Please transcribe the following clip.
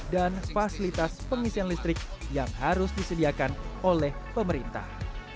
dan fasilitas pengisian listrik yang harus disediakan oleh pemerintah